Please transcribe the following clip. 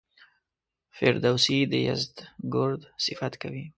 فردوسي د یزدګُرد صفت کوي.